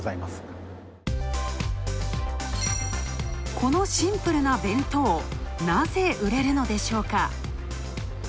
このシンプルな弁当、ナゼ売れるのでしょうか？